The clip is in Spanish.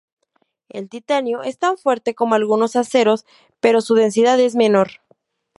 El titanio es tan fuerte como algunos aceros, pero su densidad es menor.